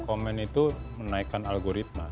dan komen itu menaikkan algoritma